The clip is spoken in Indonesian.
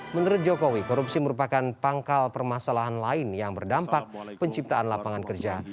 menurut jokowi korupsi merupakan pangkal permasalahan lain yang berdampak penciptaan lapangan kerja